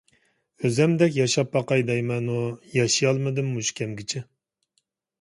ئۆزۈمدەك ياشاپ باقاي دەيمەنۇ، ياشىيالمىدىم مۇشۇ كەمگىچە.